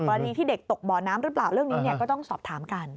ที่เด็กตกบ่อน้ำหรือเปล่าเรื่องนี้ก็ต้องสอบถามกัน